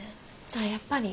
じゃあやっぱり。